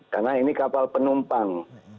karena ini kapal penumpang